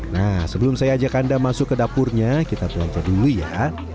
nah sebelum saya ajak anda masuk ke dapurnya kita belanja dulu ya